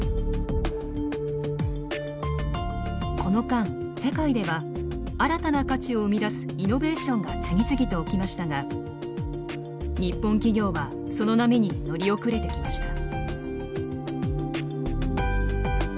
この間世界では新たな価値を生み出すイノベーションが次々と起きましたが日本企業はその波に乗り遅れてきました。